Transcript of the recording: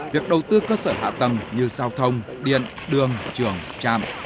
việc đầu tư cơ sở hạ tầng như giao thông điện đường trường trạm